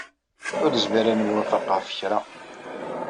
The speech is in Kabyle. Ur nezmir ad nemwafaq ɣef kra.